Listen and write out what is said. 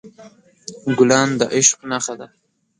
ګلان د عشق نښه ده.